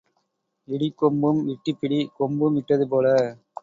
இடி கொம்பும் விட்டுப் பிடி கொம்பும் விட்டது போல.